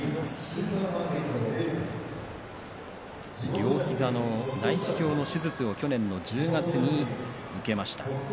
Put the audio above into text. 両膝の内視鏡の手術を去年の１０月に受けました。